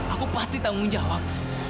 aku pasti tanggung jawab